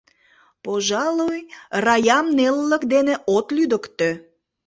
Пожалуй, Раям нелылык дене от лӱдыктӧ.